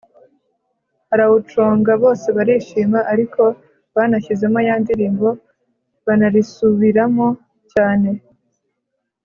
arawuconga bose barishima ariko banashyizemo ya ndilimbo banarisubiramo cyane.